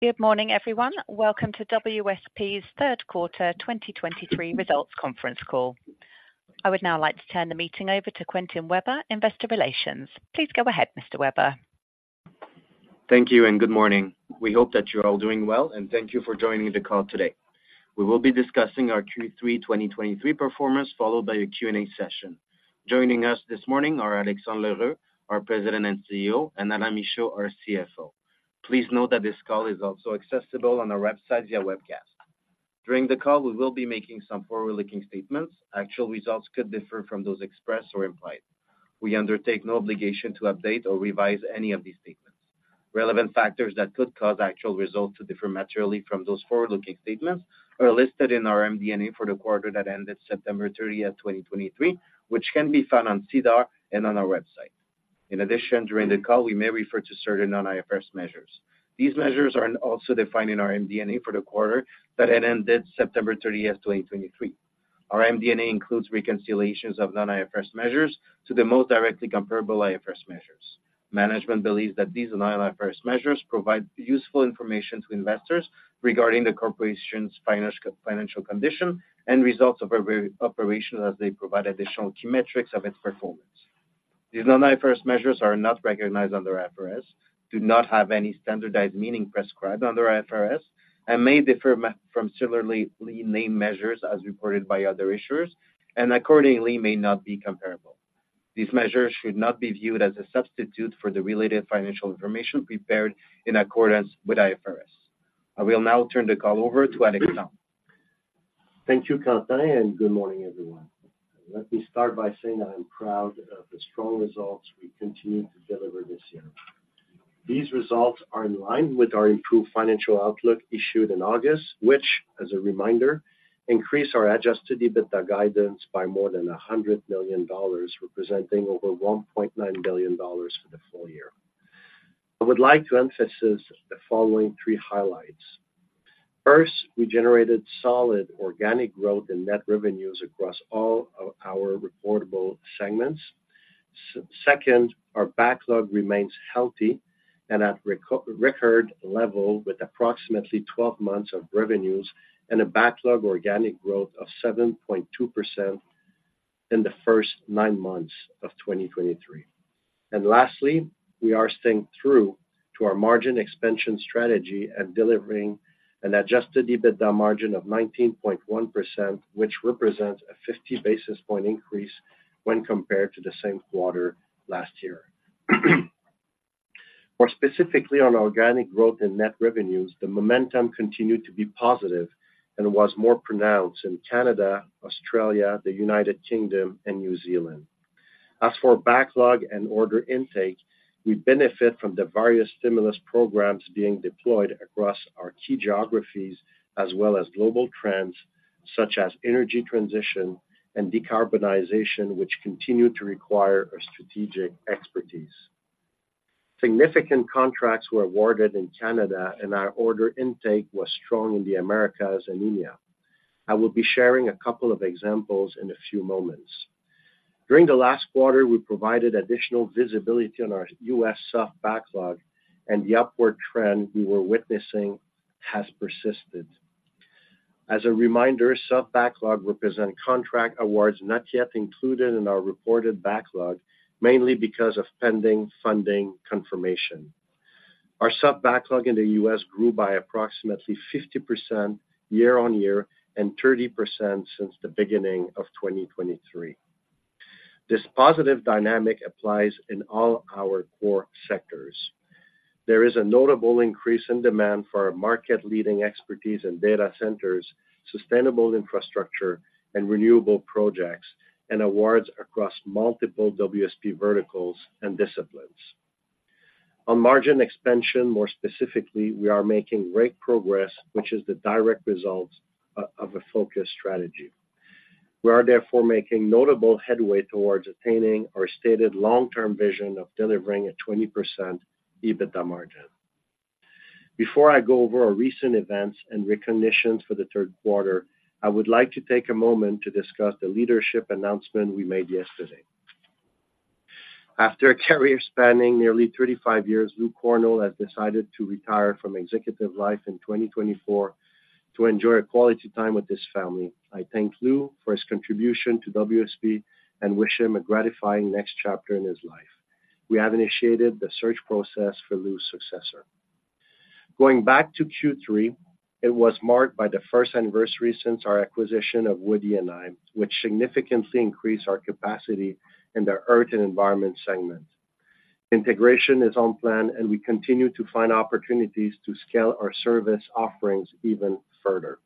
Good morning, everyone. Welcome to WSP's third quarter 2023 results conference call. I would now like to turn the meeting over to Quentin Weber, Investor Relations. Please go ahead, Mr. Weber. Thank you and good morning. We hope that you're all doing well, and thank you for joining the call today. We will be discussing our Q3 2023 performance, followed by a Q&A session. Joining us this morning are Alexandre L'Heureux, our President and CEO, and Alain Michaud, our CFO. Please note that this call is also accessible on our website via webcast. During the call, we will be making some forward-looking statements. Actual results could differ from those expressed or implied. We undertake no obligation to update or revise any of these statements. Relevant factors that could cause actual results to differ materially from those forward-looking statements are listed in our MD&A for the quarter that ended September 30, 2023, which can be found on SEDAR and on our website. In addition, during the call, we may refer to certain non-IFRS measures. These measures are also defined in our MD&A for the quarter that ended September 30, 2023. Our MD&A includes reconciliations of non-IFRS measures to the most directly comparable IFRS measures. Management believes that these non-IFRS measures provide useful information to investors regarding the corporation's financial, financial condition and results of every operation as they provide additional key metrics of its performance. These non-IFRS measures are not recognized under IFRS, do not have any standardized meaning prescribed under IFRS, and may differ from similarly named measures as reported by other issuers, and accordingly may not be comparable. These measures should not be viewed as a substitute for the related financial information prepared in accordance with IFRS. I will now turn the call over to Alexandre. Thank you, Quentin, and good morning, everyone. Let me start by saying that I'm proud of the strong results we continue to deliver this year. These results are in line with our improved financial outlook issued in August, which, as a reminder, increased our Adjusted EBITDA guidance by more than 100 million dollars, representing over 1.9 billion dollars for the full year. I would like to emphasize the following three highlights. First, we generated solid organic growth in net revenues across all of our reportable segments. Second, our backlog remains healthy and at record level, with approximately 12 months of revenues and a backlog organic growth of 7.2% in the first nine months of 2023. Lastly, we are staying through to our margin expansion strategy and delivering an Adjusted EBITDA margin of 19.1%, which represents a 50 basis point increase when compared to the same quarter last year. More specifically, on organic growth in Net Revenues, the momentum continued to be positive and was more pronounced in Canada, Australia, the United Kingdom, and New Zealand. As for backlog and order intake, we benefit from the various stimulus programs being deployed across our key geographies, as well as global trends such as energy transition and decarbonization, which continue to require our strategic expertise. Significant contracts were awarded in Canada, and our order intake was strong in the Americas and India. I will be sharing a couple of examples in a few moments. During the last quarter, we provided additional visibility on our U.S. sub-backlog, and the upward trend we were witnessing has persisted. As a reminder, sub-backlog represent contract awards not yet included in our reported backlog, mainly because of pending funding confirmation. Our sub-backlog in the U.S. grew by approximately 50% year-on-year and 30% since the beginning of 2023. This positive dynamic applies in all our core sectors. There is a notable increase in demand for our market-leading expertise in data centers, sustainable infrastructure, and renewable projects, and awards across multiple WSP verticals and disciplines. On margin expansion, more specifically, we are making great progress, which is the direct result of a focused strategy. We are therefore making notable headway towards attaining our stated long-term vision of delivering a 20% EBITDA margin. Before I go over our recent events and recognitions for the third quarter, I would like to take a moment to discuss the leadership announcement we made yesterday. After a career spanning nearly 35 years, Lou Cornell has decided to retire from executive life in 2024 to enjoy quality time with his family. I thank Lou for his contribution to WSP and wish him a gratifying next chapter in his life. We have initiated the search process for Lou's successor. Going back to Q3, it was marked by the first anniversary since our acquisition of Wood E&I, which significantly increased our capacity in the earth and environment segment. Integration is on plan, and we continue to find opportunities to scale our service offerings even further.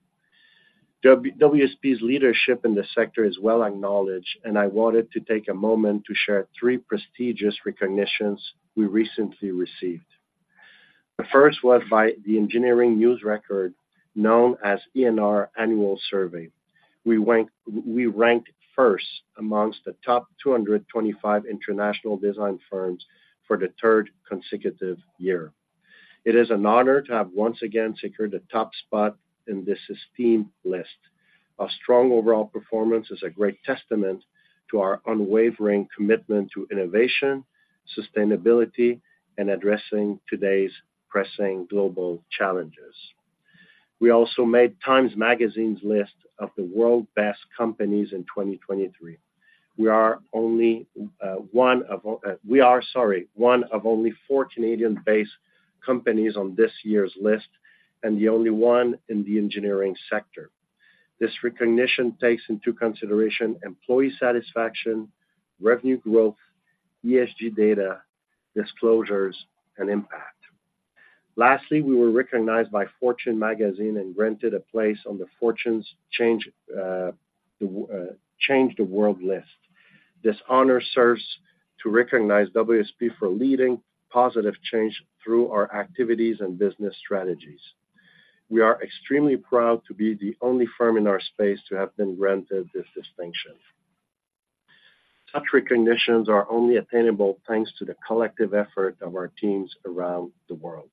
WSP's leadership in the sector is well acknowledged, and I wanted to take a moment to share three prestigious recognitions we recently received. The first was by the Engineering News-Record, known as ENR annual survey. We ranked first amongst the top 225 international design firms for the third consecutive year. It is an honor to have once again secured the top spot in this esteemed list. Our strong overall performance is a great testament to our unwavering commitment to innovation, sustainability, and addressing today's pressing global challenges. We also made Time Magazine's list of the World's Best Companies in 2023. We are one of only four Canadian-based companies on this year's list and the only one in the engineering sector. This recognition takes into consideration employee satisfaction, revenue growth, ESG data, disclosures, and impact. Lastly, we were recognized by Fortune Magazine and granted a place on the Fortune's Change the World list. This honor serves to recognize WSP for leading positive change through our activities and business strategies. We are extremely proud to be the only firm in our space to have been granted this distinction. Such recognitions are only attainable thanks to the collective effort of our teams around the world.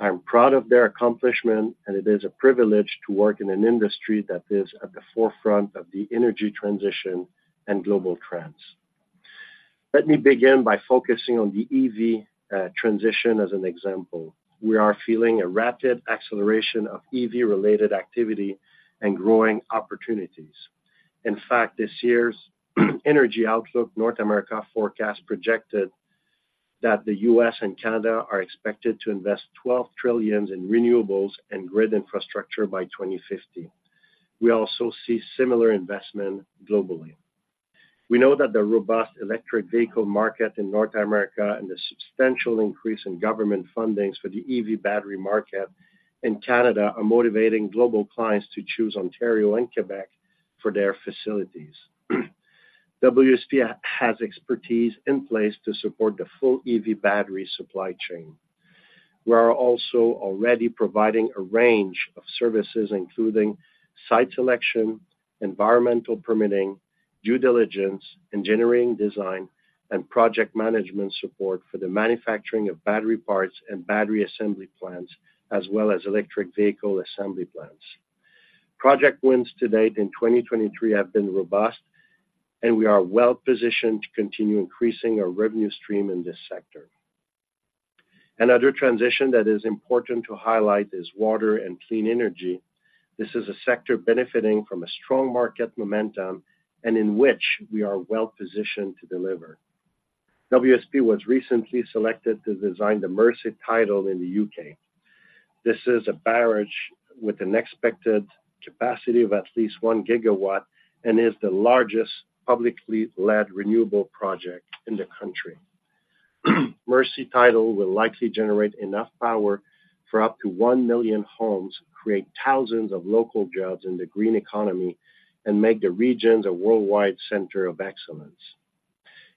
I'm proud of their accomplishment, and it is a privilege to work in an industry that is at the forefront of the energy transition and global trends. Let me begin by focusing on the EV transition as an example. We are feeling a rapid acceleration of EV-related activity and growing opportunities. In fact, this year's Energy Outlook North America Forecast projected that the U.S. and Canada are expected to invest $12 trillion in renewables and grid infrastructure by 2050. We also see similar investment globally. We know that the robust electric vehicle market in North America and the substantial increase in government fundings for the EV battery market in Canada are motivating global clients to choose Ontario and Quebec for their facilities. WSP has expertise in place to support the full EV battery supply chain. We are also already providing a range of services, including site selection, environmental permitting, due diligence, engineering design, and project management support for the manufacturing of battery parts and battery assembly plants, as well as electric vehicle assembly plants. Project wins to date in 2023 have been robust, and we are well positioned to continue increasing our revenue stream in this sector. Another transition that is important to highlight is water and clean energy. This is a sector benefiting from a strong market momentum and in which we are well positioned to deliver. WSP was recently selected to design the Mersey Tidal in the U.K. This is a barrage with an expected capacity of at least 1 GW and is the largest publicly led renewable project in the country. Mersey Tidal will likely generate enough power for up to 1 million homes, create thousands of local jobs in the green economy, and make the regions a worldwide center of excellence.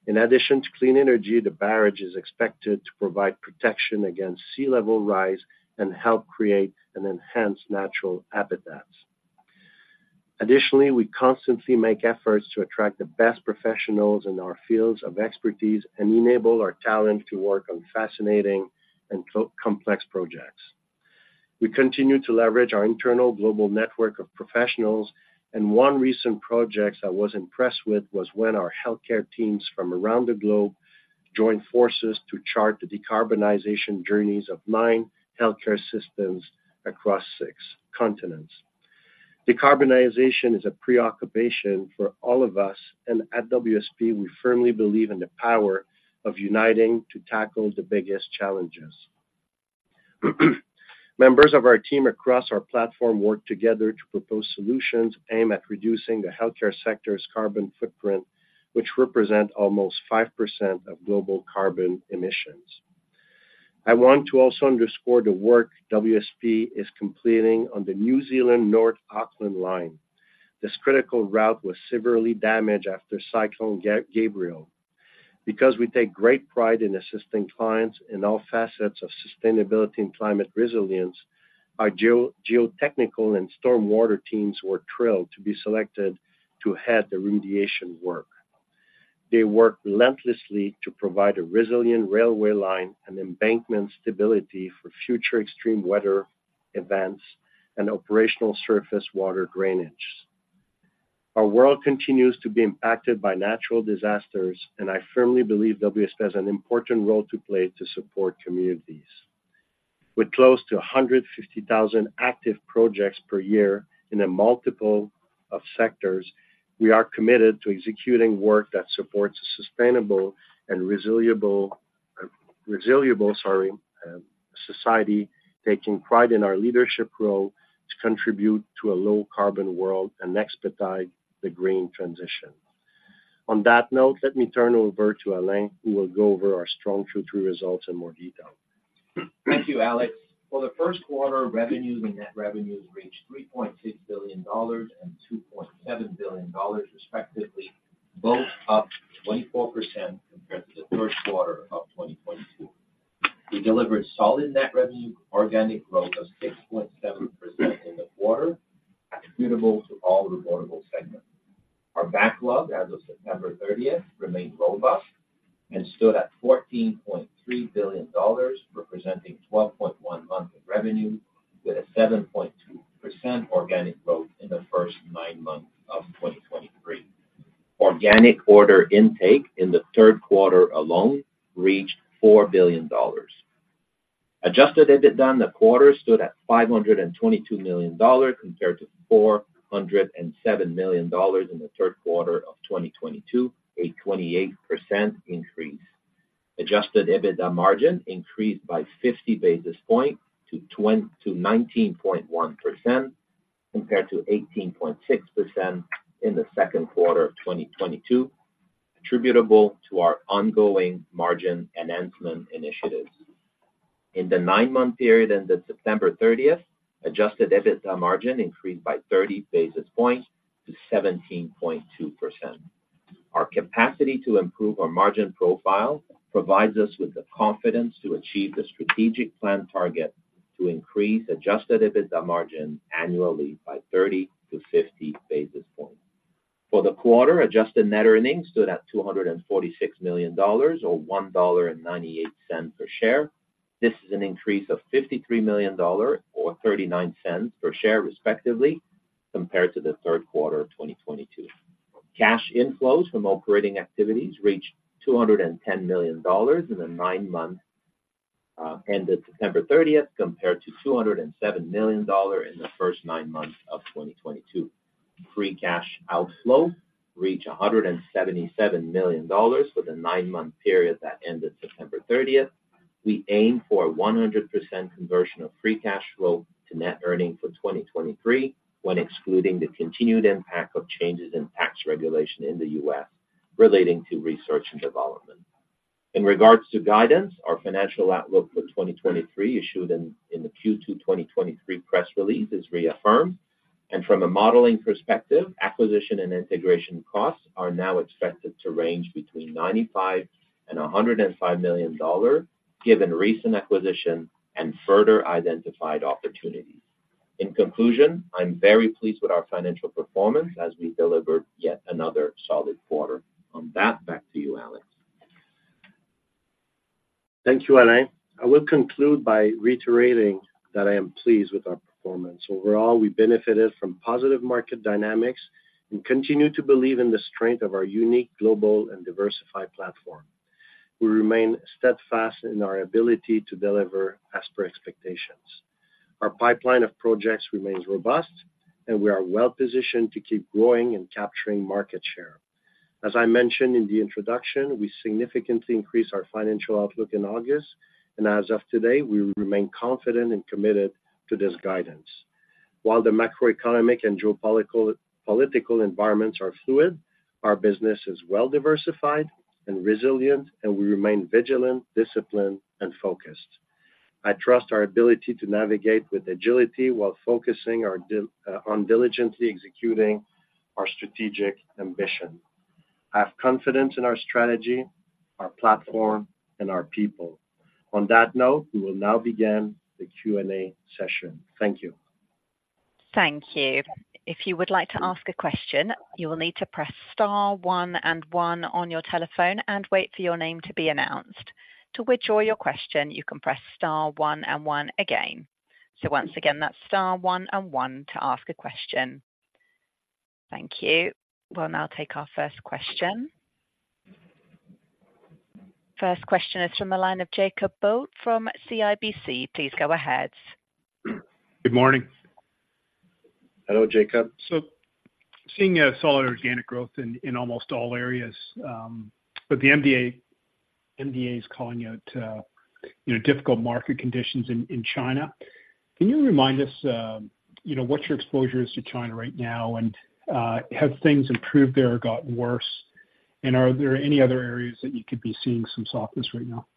In addition to clean energy, the barrage is expected to provide protection against sea level rise and help create and enhance natural habitats. Additionally, we constantly make efforts to attract the best professionals in our fields of expertise and enable our talent to work on fascinating and complex projects. We continue to leverage our internal global network of professionals, and one recent project I was impressed with, was when our healthcare teams from around the globe joined forces to chart the decarbonization journeys of nine healthcare systems across six continents. Decarbonization is a preoccupation for all of us, and at WSP, we firmly believe in the power of uniting to tackle the biggest challenges. Members of our team across our platform work together to propose solutions aimed at reducing the healthcare sector's carbon footprint, which represent almost 5% of global carbon emissions. I want to also underscore the work WSP is completing on the New Zealand North Auckland Line. This critical route was severely damaged after Cyclone Gabrielle. Because we take great pride in assisting clients in all facets of sustainability and climate resilience, our geotechnical and stormwater teams were thrilled to be selected to head the remediation work. They worked relentlessly to provide a resilient railway line and embankment stability for future extreme weather events and operational surface water drainage. Our world continues to be impacted by natural disasters, and I firmly believe WSP has an important role to play to support communities. With close to 150,000 active projects per year in a multiple of sectors, we are committed to executing work that supports a sustainable and resilient society, taking pride in our leadership role to contribute to a low-carbon world and expedite the green transition. On that note, let me turn over to Alain, who will go over our strong Q3 results in more detail. Thank you, Alex. For the first quarter, revenues and net revenues reached 3.6 billion dollars and 2.7 billion dollars, respectively, both up 24% compared to the first quarter of 2022. We delivered solid net revenue organic growth of 6.7% in the quarter, attributable to all reportable segments. Our backlog as of September 30 remained robust and stood at 14.3 billion dollars, representing 12.1 months of revenue with a 7.2% organic growth in the first nine months of 2023. Organic order intake in the third quarter alone reached 4 billion dollars. Adjusted EBITDA in the quarter stood at 522 million dollars, compared to 407 million dollars in the third quarter of 2022, a 28% increase. Adjusted EBITDA margin increased by 50 basis points to 19.1%, compared to 18.6% in the second quarter of 2022, attributable to our ongoing margin enhancement initiatives. In the nine-month period ended September 30, Adjusted EBITDA margin increased by 30 basis points to 17.2%. Our capacity to improve our margin profile provides us with the confidence to achieve the strategic plan target to increase Adjusted EBITDA margin annually by 30-50 basis points. For the quarter, adjusted net earnings stood at 246 million dollars, or $1.98 per share. This is an increase of 53 million dollar, or $0.39 per share, respectively, compared to the third quarter of 2022. Cash inflows from operating activities reached 210 million dollars in the nine months ended September 30, compared to 207 million dollars in the first nine months of 2022. Free cash outflow reached 177 million dollars for the nine-month period that ended September 30. We aim for a 100% conversion of free cash flow to net earnings for 2023, when excluding the continued impact of changes in tax regulation in the U.S. relating to research and development. In regards to guidance, our financial outlook for 2023, issued in the Q2 2023 press release, is reaffirmed. From a modeling perspective, acquisition and integration costs are now expected to range between 95 million and 105 million dollars, given recent acquisition and further identified opportunities. In conclusion, I'm very pleased with our financial performance as we delivered yet another solid quarter. On that, back to you, Alex. Thank you, Alain. I will conclude by reiterating that I am pleased with our performance. Overall, we benefited from positive market dynamics and continue to believe in the strength of our unique global and diversified platform. We remain steadfast in our ability to deliver as per expectations. Our pipeline of projects remains robust, and we are well positioned to keep growing and capturing market share. As I mentioned in the introduction, we significantly increased our financial outlook in August, and as of today, we remain confident and committed to this guidance. While the macroeconomic and geopolitical, political environments are fluid, our business is well diversified and resilient, and we remain vigilant, disciplined, and focused. I trust our ability to navigate with agility while focusing on diligently executing our strategic ambition. I have confidence in our strategy, our platform, and our people. On that note, we will now begin the Q&A session. Thank you. Thank you. If you would like to ask a question, you will need to press star one and one on your telephone and wait for your name to be announced. To withdraw your question, you can press star one and one again. So once again, that's star one and one to ask a question. Thank you. We'll now take our first question. First question is from the line of Jacob Bout from CIBC. Please go ahead. Good morning. Hello, Jacob. So seeing a solid organic growth in almost all areas, but the MD&A is calling out, you know, difficult market conditions in China. Can you remind us, you know, what your exposure is to China right now? And have things improved there or gotten worse? And are there any other areas that you could be seeing some softness right now?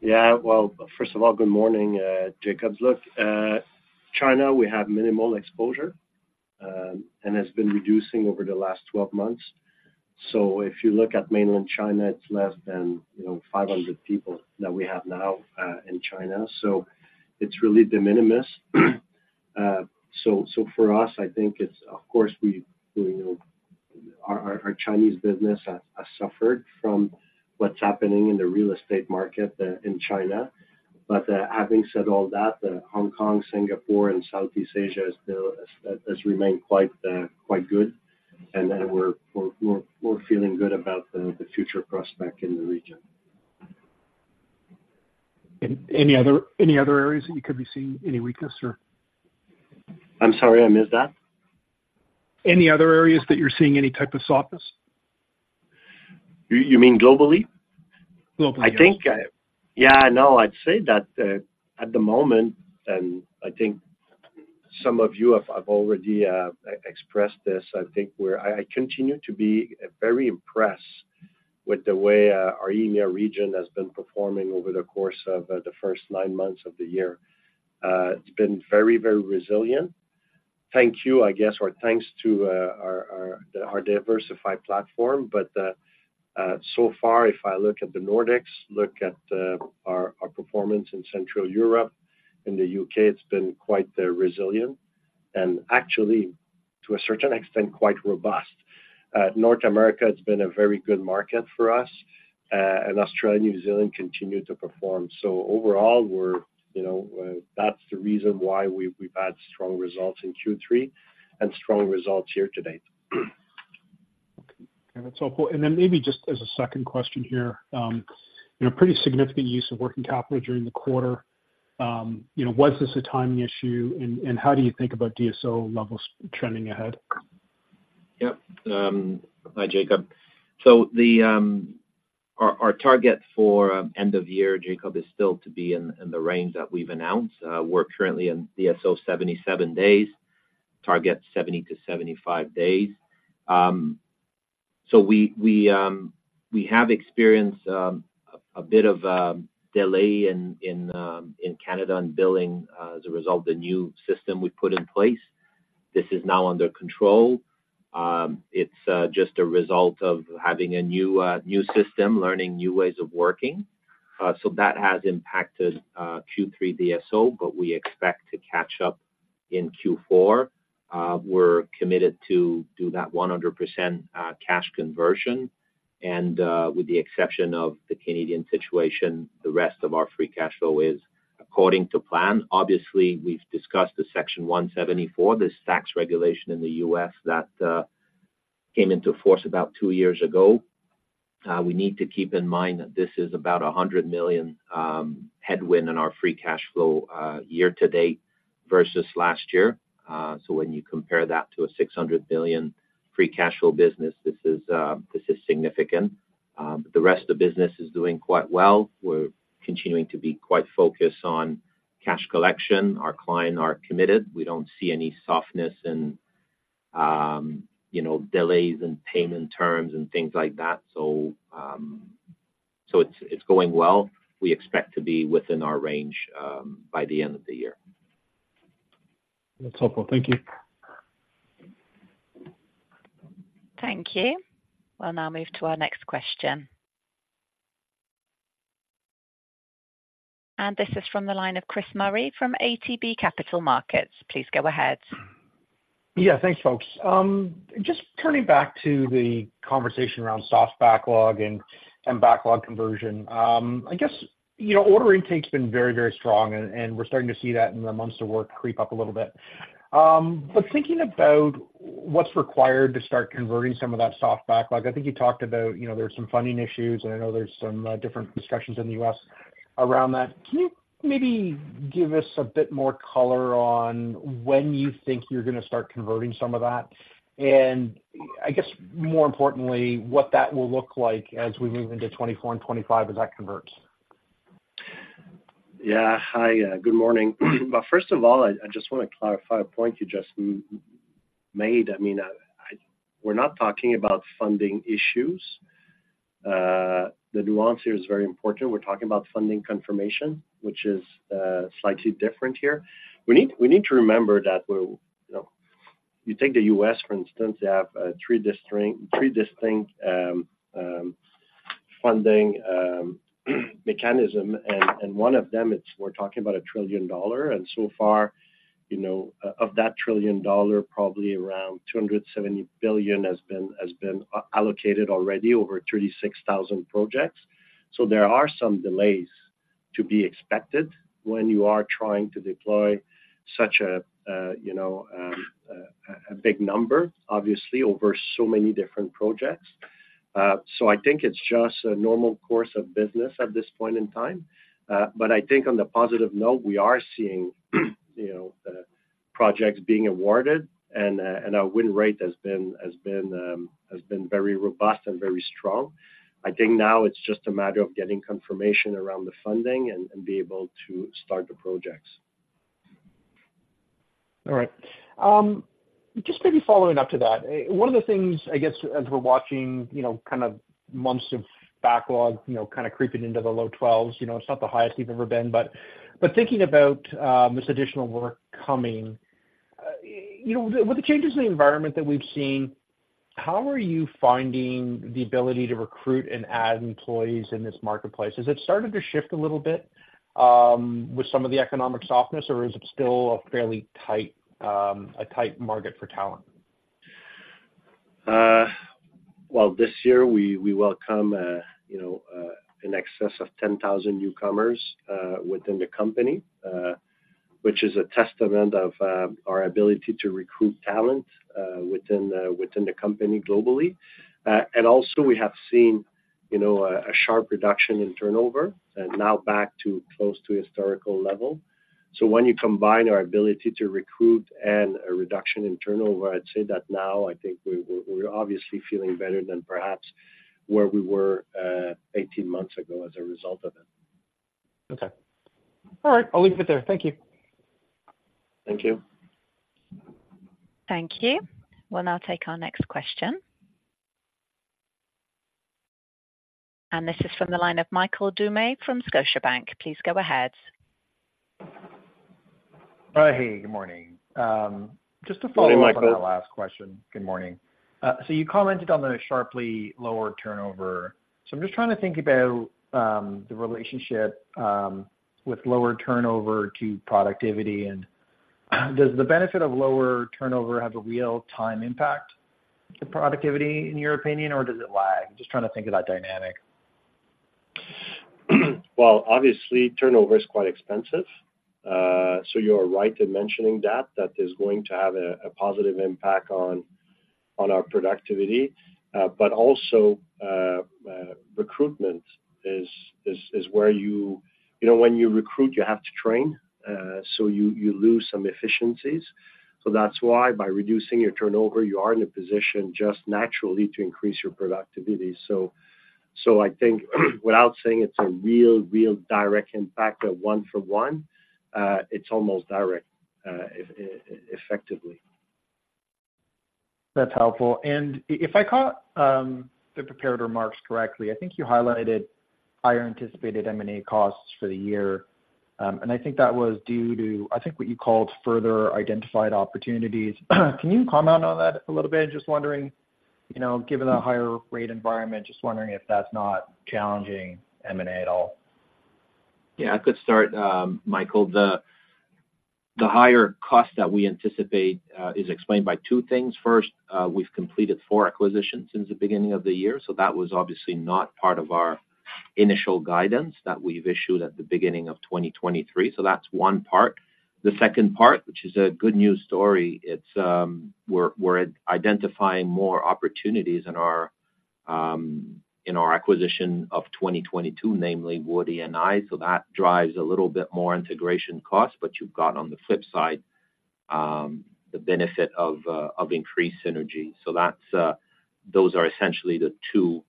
Yeah. Well, first of all, good morning, Jacob. Look, China, we have minimal exposure, and has been reducing over the last 12 months. So if you look at mainland China, it's less than, you know, 500 people that we have now in China, so it's really de minimis. So for us, I think it's of course, we know our Chinese business has suffered from what's happening in the real estate market in China. But having said all that, the Hong Kong, Singapore, and Southeast Asia is still has remained quite good. And we're feeling good about the future prospect in the region. Any other areas that you could be seeing any weakness or? I'm sorry, I missed that. Any other areas that you're seeing any type of softness? You mean globally? Globally, yes. I think... Yeah, no, I'd say that at the moment, and I think some of you have. I've already expressed this, I think we're. I continue to be very impressed with the way our EMEA region has been performing over the course of the first nine months of the year. It's been very, very resilient. Thank you, I guess, or thanks to our diversified platform. But so far, if I look at the Nordics, look at our performance in Central Europe and the U.K., it's been quite resilient. And actually to a certain extent, quite robust. North America has been a very good market for us, and Australia and New Zealand continue to perform. Overall, we're, you know, that's the reason why we've had strong results in Q3 and strong results year to date. Okay, that's helpful. And then maybe just as a second question here, you know, pretty significant use of working capital during the quarter. You know, was this a timing issue? And, and how do you think about DSO levels trending ahead? Yep. Hi, Jacob. So our target for end of year, Jacob, is still to be in the range that we've announced. We're currently in DSO 77 days, target 70-75 days. So we have experienced a bit of delay in Canada on billing as a result of the new system we put in place. This is now under control. It's just a result of having a new system, learning new ways of working. So that has impacted Q3 DSO, but we expect to catch up in Q4. We're committed to do that 100% cash conversion, and with the exception of the Canadian situation, the rest of our free cash flow is according to plan. Obviously, we've discussed the Section 174, this tax regulation in the U.S. that came into force about two years ago. We need to keep in mind that this is about 100 million headwind in our free cash flow year to date versus last year. So when you compare that to a 600 billion free cash flow business, this is significant. The rest of the business is doing quite well. We're continuing to be quite focused on cash collection. Our clients are committed. We don't see any softness in, you know, delays in payment terms and things like that, so it's going well. We expect to be within our range by the end of the year. That's helpful. Thank you. Thank you. We'll now move to our next question. This is from the line of Chris Murray from ATB Capital Markets. Please go ahead. Yeah. Thank you, folks. Just turning back to the conversation around soft backlog and backlog conversion. I guess, you know, order intake's been very, very strong, and we're starting to see that in the months of work creep up a little bit. But thinking about what's required to start converting some of that soft backlog, I think you talked about, you know, there are some funding issues, and I know there's some different discussions in the U.S. around that. Can you maybe give us a bit more color on when you think you're gonna start converting some of that? And I guess more importantly, what that will look like as we move into 2024 and 2025 as that converts? Yeah. Hi, good morning. But first of all, I just wanna clarify a point you just made. I mean, we're not talking about funding issues. The nuance here is very important. We're talking about funding confirmation, which is slightly different here. We need to remember that we're, you know, you take the U.S., for instance, they have three distinct funding mechanisms, and one of them, it's $1 trillion. And so far, you know, of that $1 trillion, probably around $270 billion has been allocated already over 36,000 projects. So there are some delays to be expected when you are trying to deploy such a big number, obviously, over so many different projects. So I think it's just a normal course of business at this point in time. But I think on the positive note, we are seeing, you know, projects being awarded and our win rate has been very robust and very strong. I think now it's just a matter of getting confirmation around the funding and be able to start the projects. All right. Just maybe following up to that, one of the things, I guess, as we're watching, you know, kind of months of backlog, you know, kind of creeping into the low 12s, you know, it's not the highest you've ever been, but thinking about this additional work coming, you know, with the changes in the environment that we've seen, how are you finding the ability to recruit and add employees in this marketplace? Has it started to shift a little bit with some of the economic softness, or is it still a fairly tight, a tight market for talent? Well, this year we welcome, you know, in excess of 10,000 newcomers within the company, which is a testament of our ability to recruit talent within the company globally. And also we have seen, you know, a sharp reduction in turnover, and now back to close to historical level. So when you combine our ability to recruit and a reduction in turnover, I'd say that now I think we're obviously feeling better than perhaps where we were 18 months ago as a result of it. Okay. All right, I'll leave it there. Thank you. Thank you. Thank you. We'll now take our next question. This is from the line of Michael Doumet from Scotiabank. Please go ahead. Hey, good morning. Just to follow up- Good morning, Michael. -on the last question. Good morning. So you commented on the sharply lower turnover. I'm just trying to think about the relationship with lower turnover to productivity and-... Does the benefit of lower turnover have a real-time impact to productivity, in your opinion, or does it lag? Just trying to think of that dynamic. Well, obviously, turnover is quite expensive. So you are right in mentioning that, that is going to have a positive impact on our productivity. But also, recruitment is where you-- You know, when you recruit, you have to train, so you lose some efficiencies. So that's why by reducing your turnover, you are in a position just naturally to increase your productivity. So I think, without saying it's a real direct impact of one for one, it's almost direct, effectively. That's helpful. And if I caught the prepared remarks correctly, I think you highlighted higher anticipated M&A costs for the year. And I think that was due to, I think, what you called further identified opportunities. Can you comment on that a little bit? Just wondering, you know, given the higher rate environment, just wondering if that's not challenging M&A at all. Yeah, I could start, Michael. The higher cost that we anticipate is explained by two things. First, we've completed four acquisitions since the beginning of the year, so that was obviously not part of our initial guidance that we've issued at the beginning of 2023. So that's one part. The second part, which is a good news story, it's we're identifying more opportunities in our acquisition of 2022, namely Wood E&I. So that drives a little bit more integration costs, but you've got, on the flip side, the benefit of increased synergy. So that's... Those are essentially the two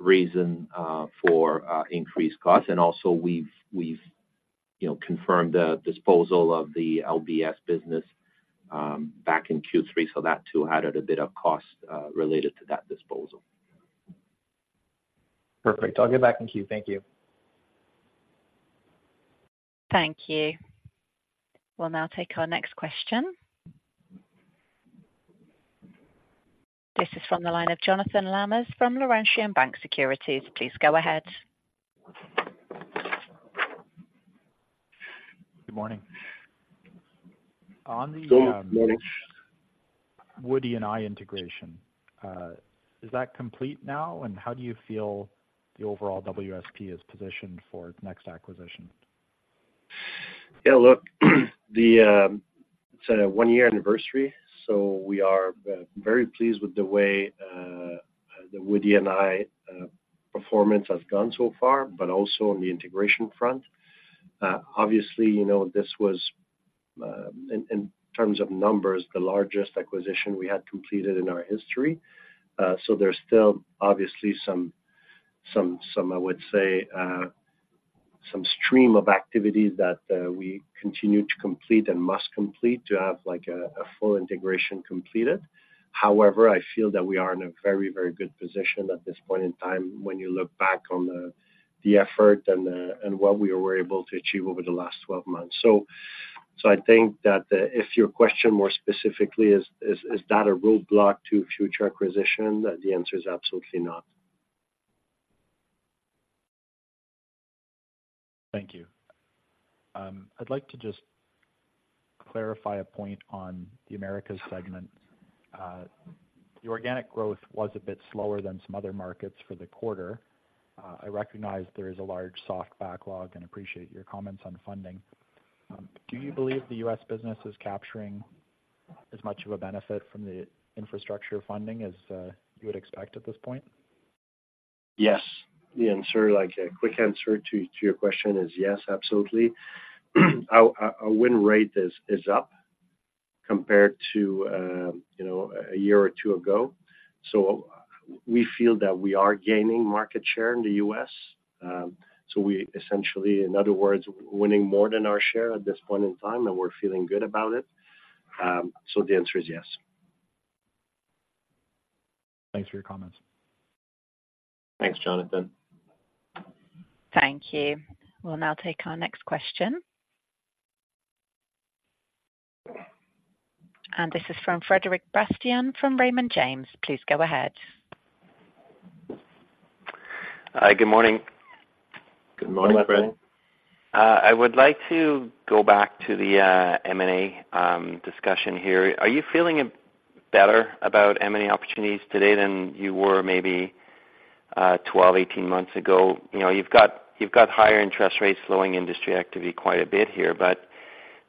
reasons for increased costs. Also we've confirmed the disposal of the LBS business back in Q3, so that too added a bit of cost related to that disposal. Perfect. I'll get back in queue. Thank you. Thank you. We'll now take our next question. This is from the line of Jonathan Lamers from Laurentian Bank Securities. Please go ahead. Good morning. Good morning. On the Wood E&I integration, is that complete now? And how do you feel the overall WSP is positioned for its next acquisition? Yeah, look, the, it's a one-year anniversary, so we are very pleased with the way the Wood E&I performance has gone so far, but also on the integration front. Obviously, you know, this was, in terms of numbers, the largest acquisition we had completed in our history. So there's still obviously some, I would say, some stream of activities that we continue to complete and must complete to have, like a full integration completed. However, I feel that we are in a very, very good position at this point in time when you look back on the effort and what we were able to achieve over the last 12 months. So I think that, if your question more specifically is that a roadblock to future acquisition? The answer is absolutely not. Thank you. I'd like to just clarify a point on the Americas segment. The organic growth was a bit slower than some other markets for the quarter. I recognize there is a large soft backlog and appreciate your comments on funding. Do you believe the U.S. business is capturing as much of a benefit from the infrastructure funding as you would expect at this point? Yes, the answer, like a quick answer to your question is yes, absolutely. Our win rate is up compared to you know, a year or two ago. So we feel that we are gaining market share in the U.S. So we essentially, in other words, winning more than our share at this point in time, and we're feeling good about it. So the answer is yes. Thanks for your comments. Thanks, Jonathan. Thank you. We'll now take our next question. This is from Frederic Bastien, from Raymond James. Please go ahead. Hi, good morning. Good morning, Frederic. I would like to go back to the M&A discussion here. Are you feeling better about M&A opportunities today than you were maybe 12, 18 months ago? You know, you've got, you've got higher interest rates slowing industry activity quite a bit here, but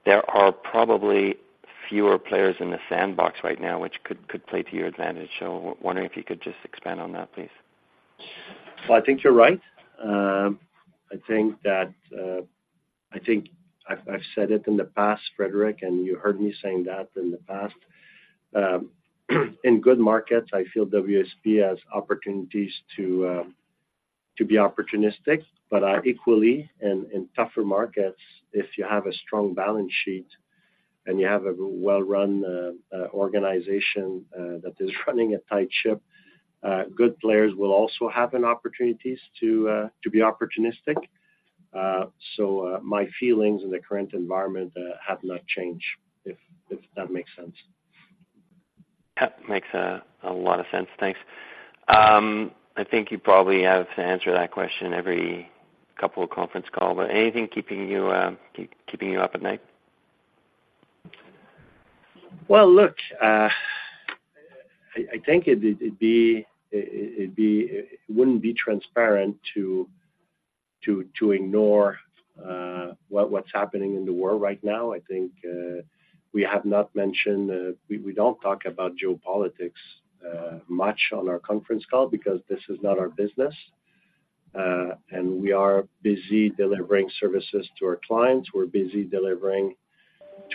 there are probably fewer players in the sandbox right now, which could, could play to your advantage. So wondering if you could just expand on that, please. Well, I think you're right. I think that... I think I've said it in the past, Frederic, and you heard me saying that in the past. In good markets, I feel WSP has opportunities to be opportunistic, but equally in tougher markets, if you have a strong balance sheet and you have a well-run organization that is running a tight ship, good players will also have opportunities to be opportunistic. So, my feelings in the current environment have not changed, if that makes sense.... Makes a lot of sense. Thanks. I think you probably have to answer that question every couple of conference call, but anything keeping you up at night? Well, look, I think it'd be- it wouldn't be transparent to ignore what's happening in the world right now. I think we have not mentioned. We don't talk about geopolitics much on our conference call because this is not our business. And we are busy delivering services to our clients. We're busy delivering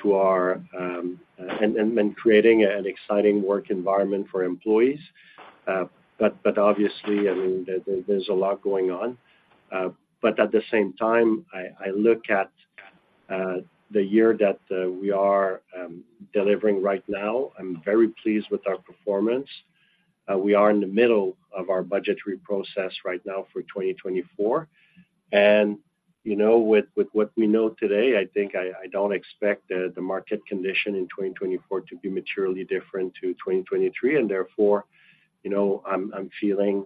to our and creating an exciting work environment for employees. But obviously, I mean, there's a lot going on. But at the same time, I look at the year that we are delivering right now. I'm very pleased with our performance. We are in the middle of our budgetary process right now for 2024, and, you know, with what we know today, I think, I don't expect the market condition in 2024 to be materially different to 2023, and therefore, you know, I'm feeling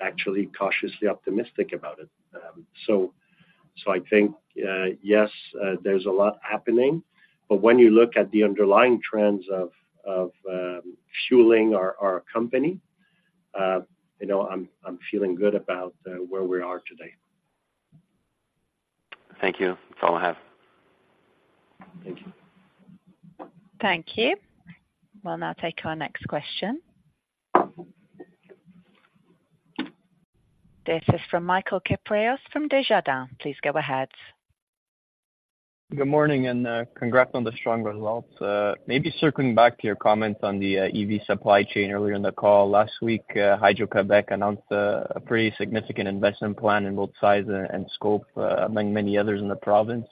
actually cautiously optimistic about it. So I think, yes, there's a lot happening, but when you look at the underlying trends of fueling our company, you know, I'm feeling good about where we are today. Thank you. That's all I have. Thank you. Thank you. We'll now take our next question. This is from Michael Kypreos from Desjardins. Please go ahead. Good morning, and congrats on the strong results. Maybe circling back to your comments on the EV supply chain earlier in the call. Last week, Hydro-Québec announced a pretty significant investment plan in both size and, and scope, among many others in the province.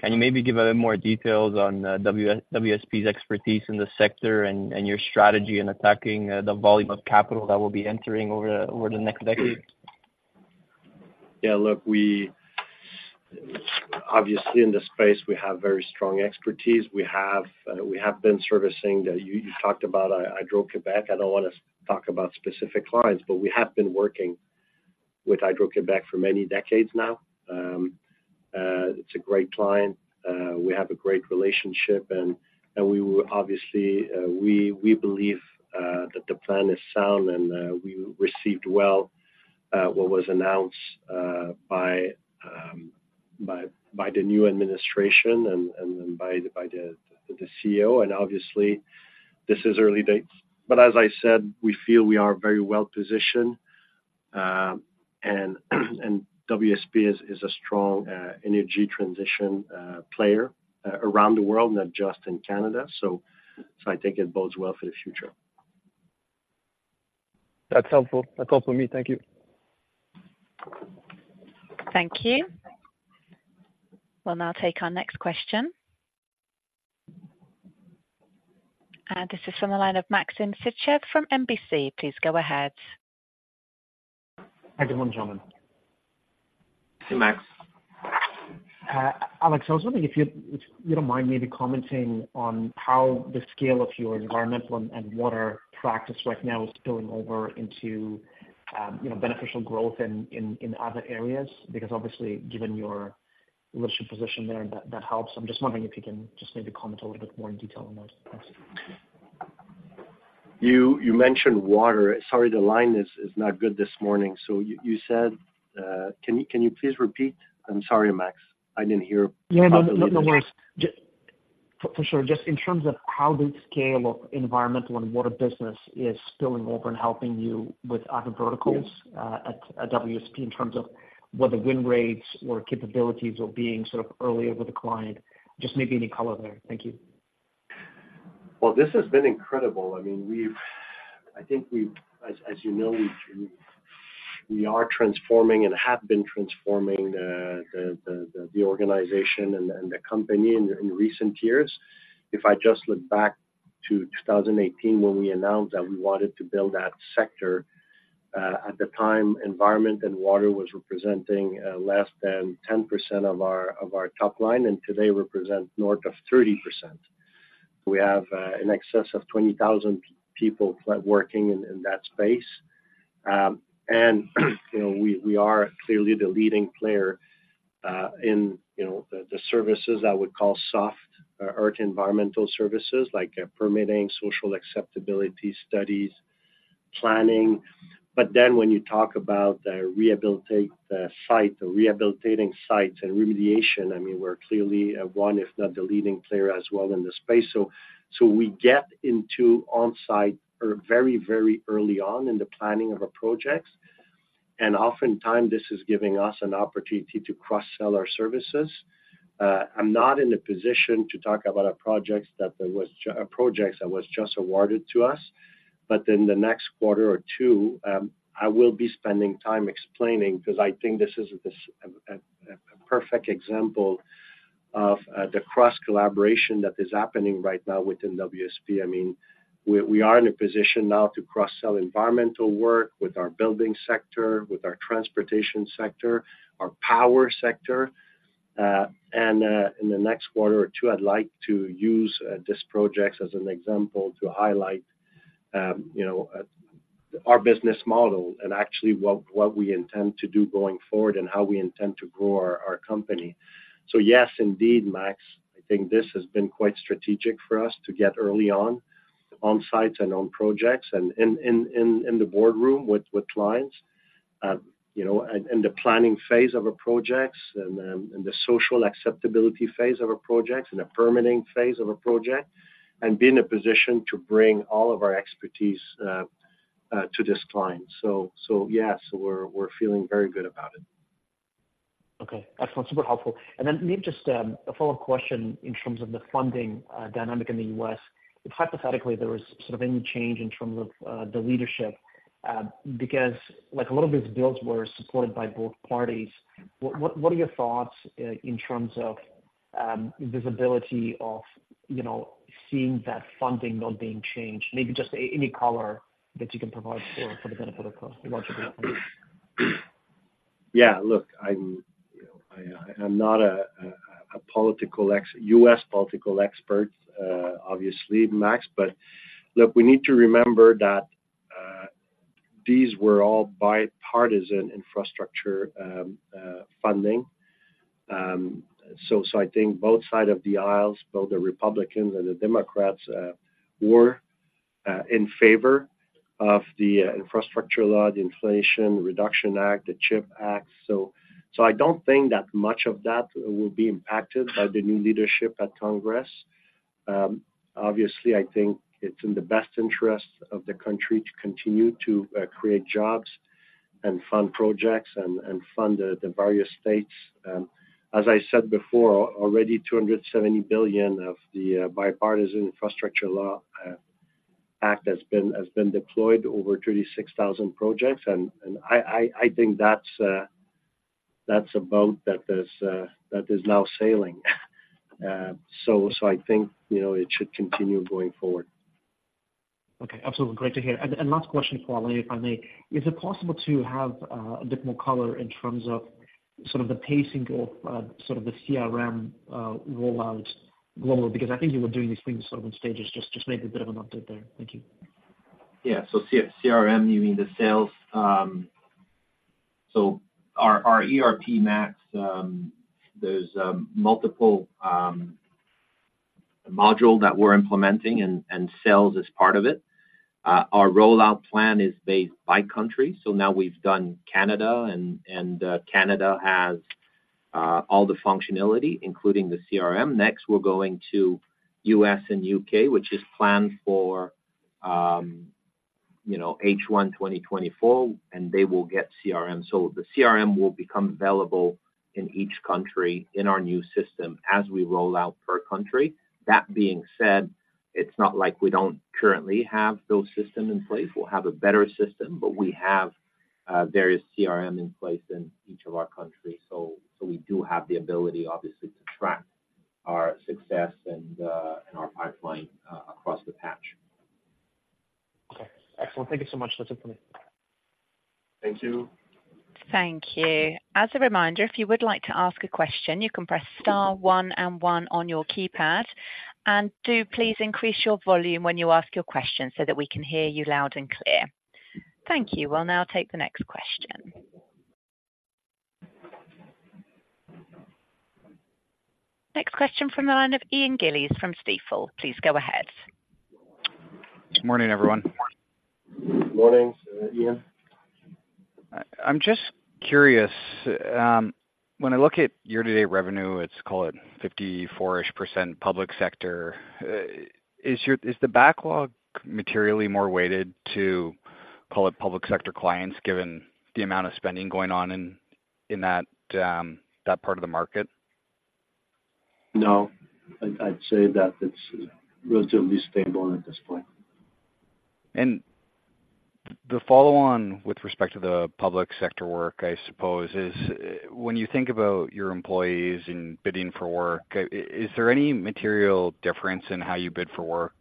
Can you maybe give a little more details on WSP's expertise in the sector and your strategy in attacking the volume of capital that will be entering over the next decade? Yeah, look, obviously, in this space, we have very strong expertise. We have been servicing you, you talked about, Hydro-Québec. I don't wanna talk about specific clients, but we have been working with Hydro-Québec for many decades now. It's a great client. We have a great relationship, and we will obviously believe that the plan is sound, and we received well what was announced by the new administration and by the CEO. And obviously, this is early days. But as I said, we feel we are very well positioned, and WSP is a strong energy transition player around the world, not just in Canada. So I think it bodes well for the future. That's helpful. That's all for me. Thank you. Thank you. We'll now take our next question. This is from the line of Maxim Sytchev from NBC. Please go ahead. Hi, good morning, gentlemen. Hey, Max. Alex, I was wondering if you'd, if you don't mind maybe commenting on how the scale of your environmental and water practice right now is spilling over into, you know, beneficial growth in other areas? Because obviously, given your leadership position there, that helps. I'm just wondering if you can just maybe comment a little bit more in detail on that. Thanks. You mentioned water. Sorry, the line is not good this morning. So you said, can you please repeat? I'm sorry, Max. I didn't hear- Yeah, no, no, no worries. Just, for sure. Just in terms of how the scale of environmental and water business is spilling over and helping you with other verticals, at WSP, in terms of whether win rates or capabilities or being sort of early with a client. Just maybe any color there. Thank you. Well, this has been incredible. I mean, I think, as you know, we are transforming and have been transforming the organization and the company in recent years. If I just look back to 2018, when we announced that we wanted to build that sector, at the time, environment and water was representing less than 10% of our top line, and today represent north of 30%. We have in excess of 20,000 people working in that space. And, you know, we are clearly the leading player in, you know, the services I would call soft or environmental services, like permitting, social acceptability studies, planning. But then when you talk about rehabilitate site, the rehabilitating sites and remediation, I mean, we're clearly one, if not the leading player as well in the space. So we get into on-site very, very early on in the planning of a project, and oftentimes this is giving us an opportunity to cross-sell our services. I'm not in a position to talk about our projects that were just awarded to us, but in the next quarter or two, I will be spending time explaining, because I think this is a perfect example of the cross-collaboration that is happening right now within WSP. I mean, we are in a position now to cross-sell environmental work with our building sector, with our transportation sector, our power sector. And, in the next quarter or two, I'd like to use this projects as an example to highlight, you know, our business model and actually what, what we intend to do going forward and how we intend to grow our, our company. So yes, indeed, Max, I think this has been quite strategic for us to get early on sites and on projects and in the boardroom with clients. You know, and the planning phase of a projects and the social acceptability phase of a project, and the permitting phase of a project, and be in a position to bring all of our expertise to this client. So yes, we're feeling very good about it. Okay, excellent. Super helpful. And then maybe just a follow-up question in terms of the funding dynamic in the U.S. If hypothetically there was sort of any change in terms of the leadership, because like a lot of these bills were supported by both parties, what are your thoughts in terms of visibility of, you know, seeing that funding not being changed? Maybe just any color that you can provide for the benefit of us, we want to know. Yeah, look, I'm, you know, I, I'm not a U.S. political expert, obviously, Max. But, look, we need to remember that these were all bipartisan infrastructure funding. So, so I think both sides of the aisle, both the Republicans and the Democrats, were in favor of the infrastructure law, the Inflation Reduction Act, the CHIPS Act. So, so I don't think that much of that will be impacted by the new leadership at Congress. Obviously, I think it's in the best interest of the country to continue to create jobs and fund projects and fund the various states. As I said before, already $270 billion of the Bipartisan Infrastructure Law Act has been deployed over 36,000 projects. I think that's a boat that is now sailing. So I think, you know, it should continue going forward. Okay, absolutely. Great to hear. Last question for you, if I may: Is it possible to have a bit more color in terms of sort of the pacing of sort of the CRM rollout global? Because I think you were doing these things sort of in stages. Just maybe a bit of an update there. Thank you. Yeah. So CRM, you mean the sales? So our ERP, Max, there's multiple module that we're implementing and sales is part of it. Our rollout plan is based by country, so now we've done Canada, and Canada has all the functionality, including the CRM. Next, we're going to U.S. and U.K., which is planned for, you know, H1 2024, and they will get CRM. So the CRM will become available in each country in our new system as we roll out per country. That being said, it's not like we don't currently have those systems in place. We'll have a better system, but we have various CRM in place in each of our countries. So we do have the ability, obviously, to track our success and our pipeline across the patch. Okay, excellent. Thank you so much. That's it for me. Thank you. Thank you. As a reminder, if you would like to ask a question, you can press star one and one on your keypad, and do please increase your volume when you ask your question so that we can hear you loud and clear. Thank you. We'll now take the next question. Next question from the line of Ian Gillies from Stifel. Please go ahead. Morning, everyone. Morning, Ian. I'm just curious, when I look at year-to-date revenue, let's call it 54-ish% public sector, is the backlog materially more weighted to, call it public sector clients, given the amount of spending going on in that part of the market? No, I'd say that it's relatively stable at this point. The follow-on with respect to the public sector work, I suppose, is, when you think about your employees and bidding for work, is there any material difference in how you bid for work,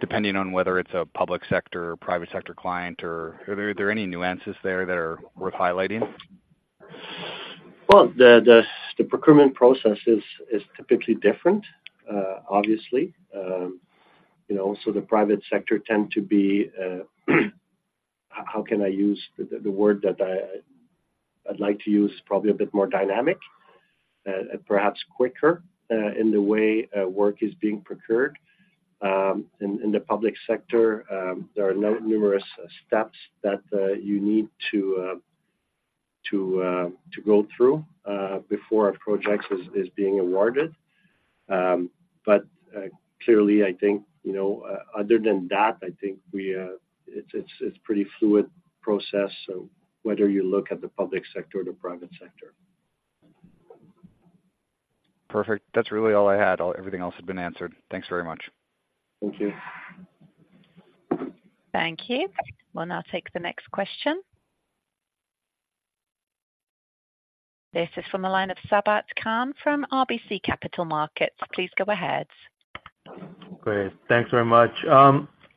depending on whether it's a public sector or private sector client, or are there any nuances there that are worth highlighting? Well, the procurement process is typically different, obviously. You know, so the private sector tend to be, how can I use the word that I'd like to use? Probably a bit more dynamic, perhaps quicker, in the way work is being procured. In the public sector, there are numerous steps that you need to go through before a project is being awarded. But clearly, I think, you know, other than that, I think we, it's pretty fluid process. So whether you look at the public sector or the private sector. Perfect. That's really all I had. All... Everything else had been answered. Thanks very much. Thank you. Thank you. We'll now take the next question. This is from the line of Sabahat Khan from RBC Capital Markets. Please go ahead.... Great. Thanks very much.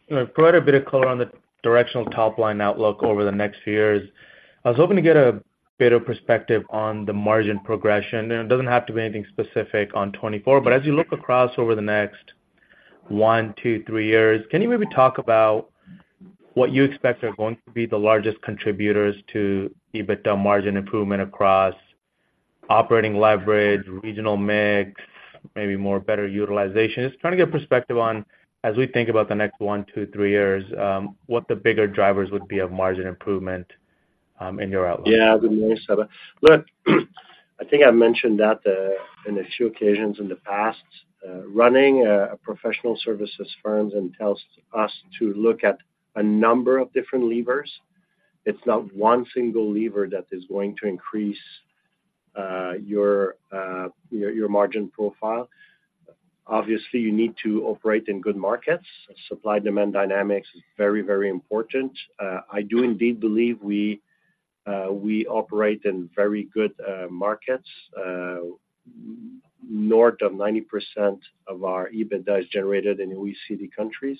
You know, provide a bit of color on the directional top-line outlook over the next years. I was hoping to get a bit of perspective on the margin progression, and it doesn't have to be anything specific on 2024. But as you look across over the next one, two, three years, can you maybe talk about what you expect are going to be the largest contributors to EBITDA margin improvement across operating leverage, regional mix, maybe more better utilization? Just trying to get perspective on as we think about the next one-three years, what the bigger drivers would be of margin improvement, in your outlook. Yeah, good morning, Saba. Look, I think I mentioned that in a few occasions in the past, running a professional services firms and tells us to look at a number of different levers. It's not one single lever that is going to increase your margin profile. Obviously, you need to operate in good markets. Supply-demand dynamics is very, very important. I do indeed believe we operate in very good markets. North of 90% of our EBITDA is generated in OECD countries,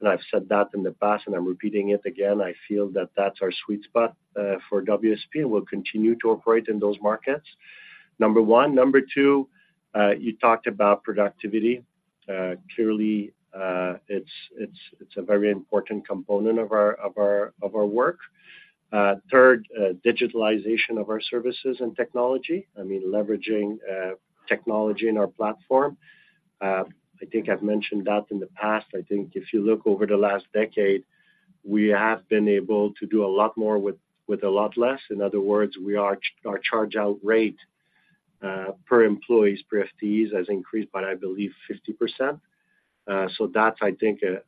and I've said that in the past, and I'm repeating it again. I feel that that's our sweet spot for WSP, and we'll continue to operate in those markets, number one. Number two, you talked about productivity. Clearly, it's a very important component of our work. Third, digitalization of our services and technology, I mean, leveraging technology in our platform. I think I've mentioned that in the past. I think if you look over the last decade, we have been able to do a lot more with a lot less. In other words, we are, our charge-out rate per employees, per FTEs, has increased by, I believe, 50%. So that's, I think, a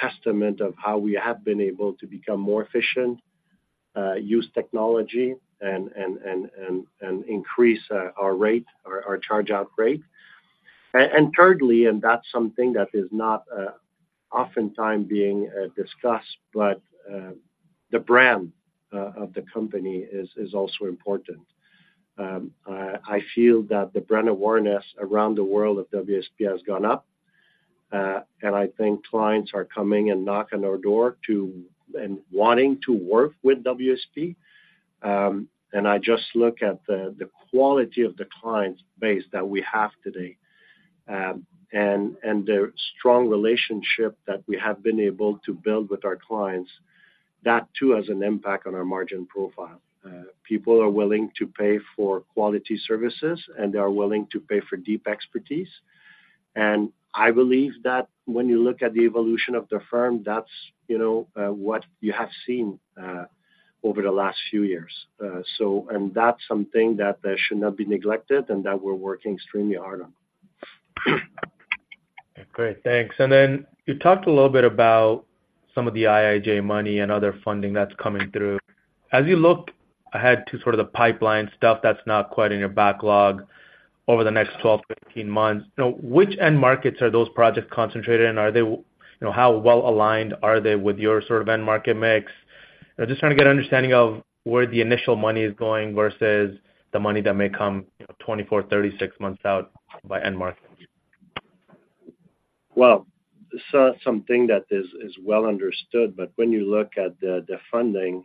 testament of how we have been able to become more efficient, use technology and increase our rate, our charge-out rate. And thirdly, and that's something that is not oftentimes being discussed, but the brand of the company is also important. I feel that the brand awareness around the world of WSP has gone up, and I think clients are coming and knocking on our door and wanting to work with WSP. I just look at the quality of the client base that we have today, and the strong relationship that we have been able to build with our clients, that too, has an impact on our margin profile. People are willing to pay for quality services, and they are willing to pay for deep expertise. I believe that when you look at the evolution of the firm, that's, you know, what you have seen over the last few years. That's something that should not be neglected and that we're working extremely hard on. Great. Thanks. Then you talked a little bit about some of the IIJA money and other funding that's coming through. As you look ahead to sort of the pipeline stuff that's not quite in your backlog over the next 12, 15 months, you know, which end markets are those projects concentrated in? Are they, you know, how well aligned are they with your sort of end market mix? I'm just trying to get an understanding of where the initial money is going versus the money that may come, you know, 24, 36 months out by end markets. Well, so something that is well understood, but when you look at the funding,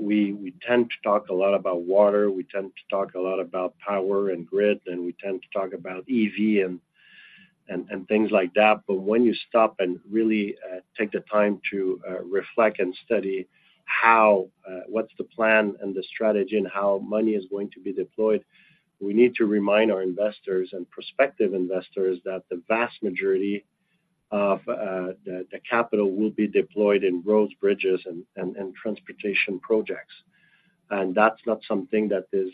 we tend to talk a lot about water, we tend to talk a lot about power and grid, and we tend to talk about EV and things like that. But when you stop and really take the time to reflect and study how what's the plan and the strategy and how money is going to be deployed, we need to remind our investors and prospective investors that the vast majority of the capital will be deployed in roads, bridges, and transportation projects. And that's not something that is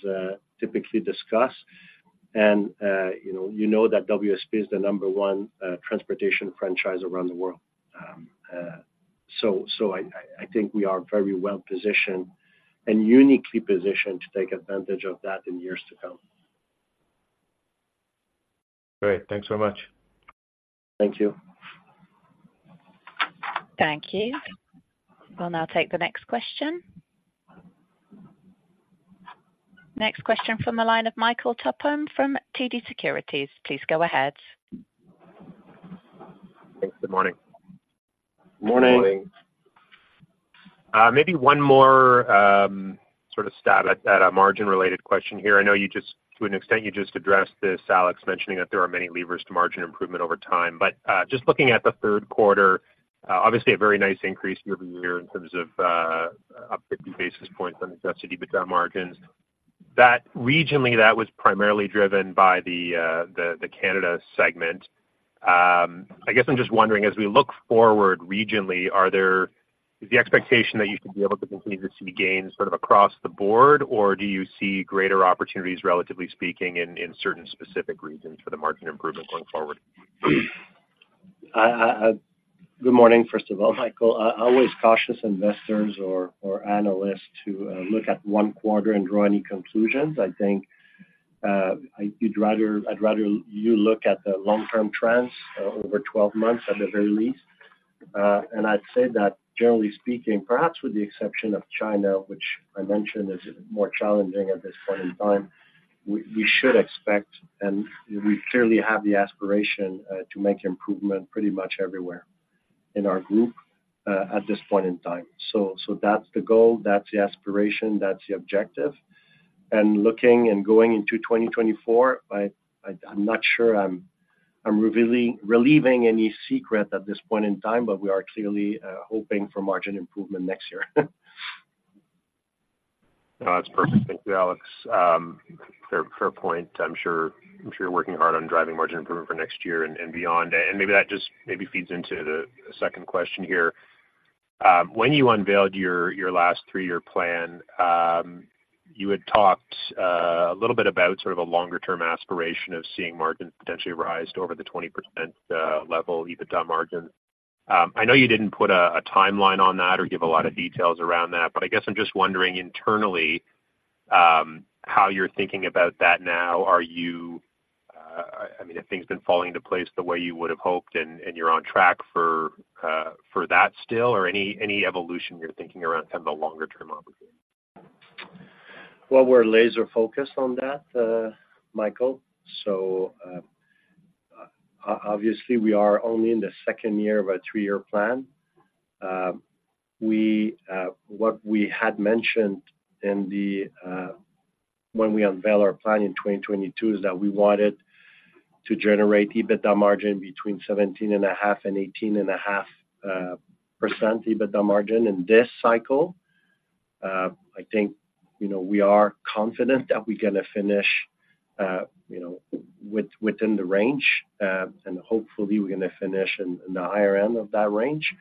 typically discussed. And you know, you know that WSP is the number one transportation franchise around the world. I think we are very well positioned and uniquely positioned to take advantage of that in years to come. Great. Thanks so much. Thank you. Thank you. We'll now take the next question. Next question from the line of Michael Tupholme from TD Securities. Please go ahead. Thanks. Good morning. Morning. Good morning. Maybe one more sort of stab at a margin-related question here. I know you just, to an extent, you just addressed this, Alex, mentioning that there are many levers to margin improvement over time. But just looking at the third quarter, obviously a very nice increase year-over-year in terms of up 50 basis points on Adjusted EBITDA margins. That, regionally, that was primarily driven by the Canada segment. I guess I'm just wondering, as we look forward regionally, are there, is the expectation that you should be able to continue to see gains sort of across the board? Or do you see greater opportunities, relatively speaking, in certain specific regions for the margin improvement going forward? Good morning, first of all, Michael. I always caution investors or analysts to look at one quarter and draw any conclusions. I think, I'd rather you look at the long-term trends over 12 months at the very least. And I'd say that generally speaking, perhaps with the exception of China, which I mentioned is more challenging at this point in time, we should expect, and we clearly have the aspiration, to make improvement pretty much everywhere in our group at this point in time. So that's the goal, that's the aspiration, that's the objective. And looking and going into 2024, I'm not sure I'm revealing any secret at this point in time, but we are clearly hoping for margin improvement next year. No, that's perfect. Thank you, Alex. Fair, fair point. I'm sure, I'm sure you're working hard on driving margin improvement for next year and, and beyond. And maybe that just maybe feeds into the second question here. When you unveiled your last three-year plan, you had talked a little bit about sort of a longer-term aspiration of seeing margin potentially rise to over the 20% level, EBITDA margin. I know you didn't put a timeline on that or give a lot of details around that, but I guess I'm just wondering internally how you're thinking about that now. Are you... I mean, have things been falling into place the way you would've hoped and you're on track for that still? Or any evolution you're thinking around kind of the longer-term opportunity? Well, we're laser focused on that, Michael. So, obviously, we are only in the second year of our three-year plan. What we had mentioned when we unveiled our plan in 2022 is that we wanted to generate EBITDA margin between 17.5%-18.5% EBITDA margin in this cycle. I think, you know, we are confident that we're gonna finish, you know, within the range. And hopefully, we're gonna finish in the higher end of that range.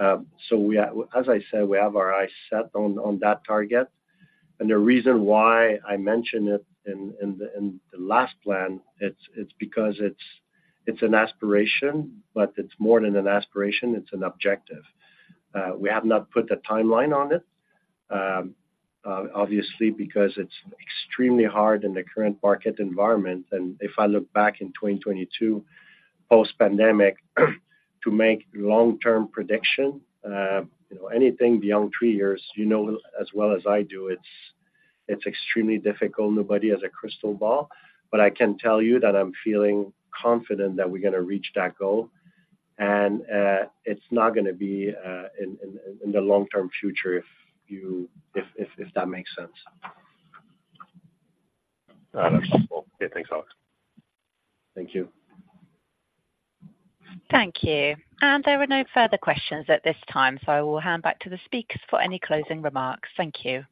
So we have. As I said, we have our eyes set on that target. And the reason why I mentioned it in the last plan, it's because it's an aspiration, but it's more than an aspiration, it's an objective. We have not put a timeline on it, obviously, because it's extremely hard in the current market environment. And if I look back in 2022, post-pandemic, to make long-term prediction, you know, anything beyond three years, you know as well as I do, it's extremely difficult. Nobody has a crystal ball. But I can tell you that I'm feeling confident that we're gonna reach that goal, and it's not gonna be in the long-term future, if that makes sense. That's helpful. Yeah, thanks, Alex. Thank you. Thank you. There were no further questions at this time, so I will hand back to the speakers for any closing remarks. Thank you.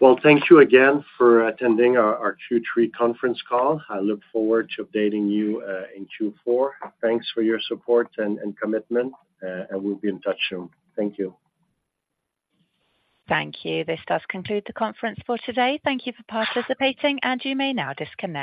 Well, thank you again for attending our Q3 conference call. I look forward to updating you in Q4. Thanks for your support and commitment, and we'll be in touch soon. Thank you. Thank you. This does conclude the conference for today. Thank you for participating, and you may now disconnect.